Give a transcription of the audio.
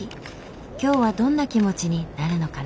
今日はどんな気持ちになるのかな。